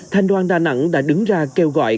thành đoàn đà nẵng đã đứng ra kêu gọi